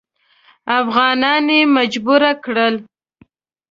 افغانان یې مجبور کړل.